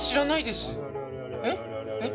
えっ？えっ？